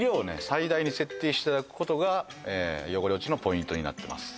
最大に設定していただくことが汚れ落ちのポイントになってます